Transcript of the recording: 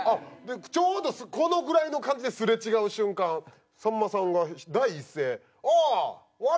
ちょうどこのぐらいの感じで擦れ違う瞬間さんまさんが第一声「ああ笑